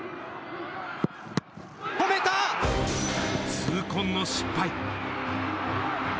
痛恨の失敗。